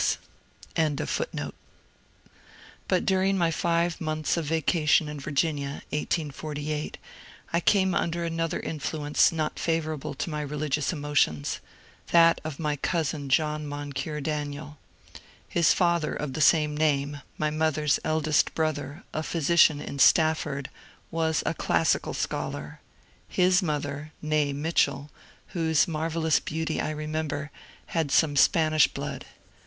^ But during my five months of vacation in Virginia (1848) I came un<ler another influence not favourable to my religious emotions — that of my cousin John Moncure Daniel. His father of the same name, my mother's eldest brother, a phy sician in Stafford, was a classical scholar ; his mother (n6e Mitchell), whose marvellous beauty I remember, had some Spanish blood.